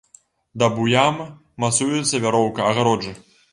Да буям мацуецца вяроўка агароджы.